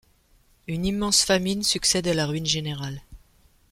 Une immense famine succède à la ruine générale.